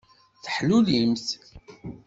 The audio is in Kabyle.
Teḥlulimt.